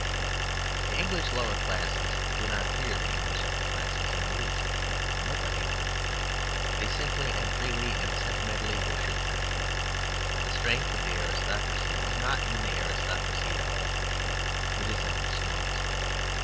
The English lower classes do not fear the English upper classes in the least; nobody could. They simply and freely and sentimentally worship them. The strength of the aristocracy is not in the aristocracy at all; it is in the slums.